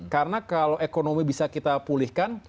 karena kalau ekonomi bisa kita pulihkan